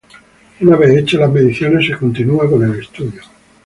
Una vez hechas las mediciones se continua con el estudio.